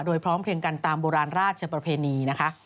โดยพร้อมเพลียงกันตามโบราณราชประเพณีนะคะ